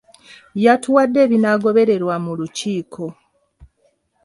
Yatuwadde ebinaagobererwa mu lukiiko.